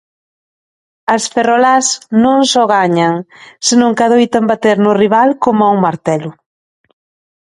As ferrolás non só gañan, senón que adoitan bater no rival coma un martelo.